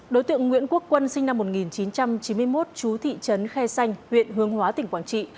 đối tượng nguyễn quốc quân sinh năm một nghìn chín trăm chín mươi một chú thị trấn khe xanh huyện hướng hóa tỉnh quảng trị